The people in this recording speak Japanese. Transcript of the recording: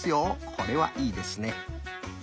これはいいですね。